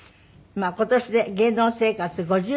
今年で芸能生活５３年。